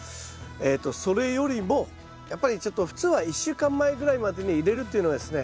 えっとそれよりもやっぱりちょっと普通は１週間前ぐらいまでに入れるっていうのがですね